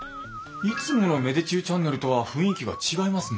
いつもの芽出中チャンネルとは雰囲気が違いますね。